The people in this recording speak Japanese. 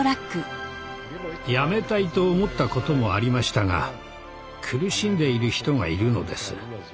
やめたいと思ったこともありましたが苦しんでいる人がいるのです。